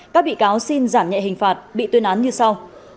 các bị cáo xin giảm nhẹ hình phạt bị tuyên án như sau